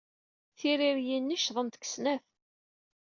Tiririyin-nni ccḍent deg snat.